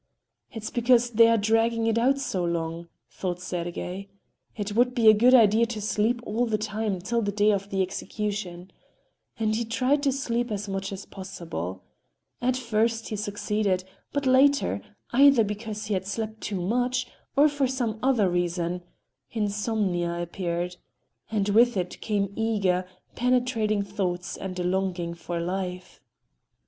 "It's because they are dragging it out so long," thought Sergey. "It would be a good idea to sleep all the time till the day of the execution," and he tried to sleep as much as possible. At first he succeeded, but later, either because he had slept too much, or for some other reason, insomnia appeared. And with it came eager, penetrating thoughts and a longing for life.